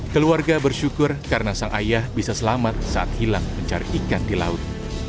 keluarga bersyukur karena sang ayah bisa selamat saat hilang mencari ikan di laut